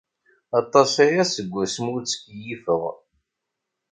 Aṭas aya seg wasmi ur ttkeyyifeɣ.